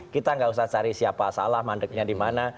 kita nggak usah cari siapa salah mandeknya di mana